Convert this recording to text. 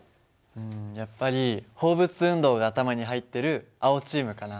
うんやっぱり放物運動が頭に入ってる青チームかな。